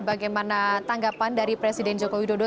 bagaimana tanggapan dari presiden joko widodo